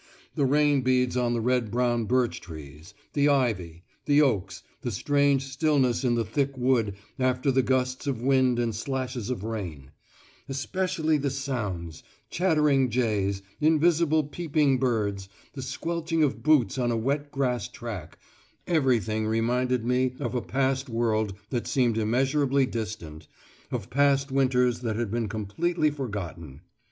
The rain beads on the red brown birch trees; the ivy; the oaks; the strange stillness in the thick wood after the gusts of wind and slashes of rain; especially the sounds chattering jays, invisible peeping birds, the squelching of boots on a wet grass track everything reminded me of a past world that seemed immeasurably distant, of past winters that had been completely forgotten.